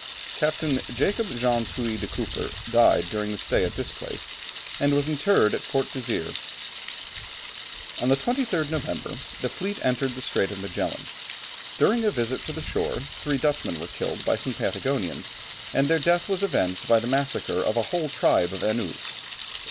Captain Jacob Jansz Huy de Cooper, died during the stay at this place, and was interred at Port Desire. On the 23rd November, the fleet entered the Strait of Magellan. During a visit to the shore three Dutchmen were killed by some Patagonians, and their death was avenged by the massacre of a whole tribe of Enoos.